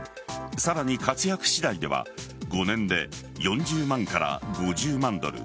さらに活躍次第では５年で４０万から５０万ドル